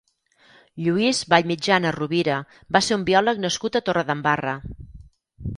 Lluís Vallmitjana Rovira va ser un biòleg nascut a Torredembarra.